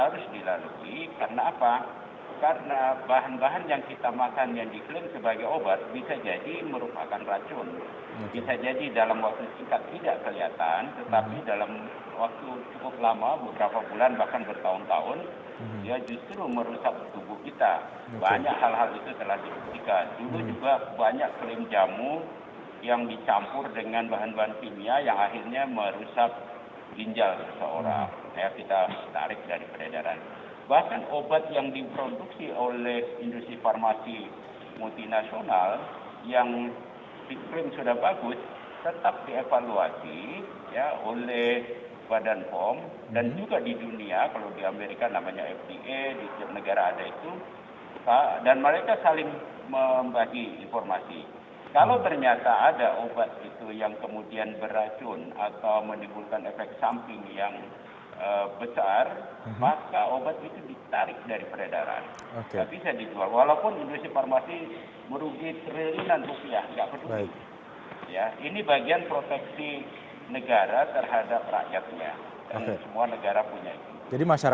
registrasinya benar atau tidak benar kalau tidak ada